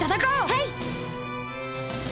はい！